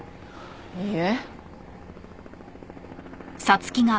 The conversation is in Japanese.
いいえ。